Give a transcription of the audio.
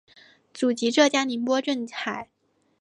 祖籍浙江宁波镇海。